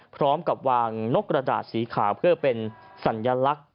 พร้อมกับวางนกกระดาษสีขาวเพื่อเป็นสัญลักษณ์